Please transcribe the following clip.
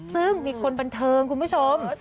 ซึ่งมีคนบันเทิงคุณผู้ชม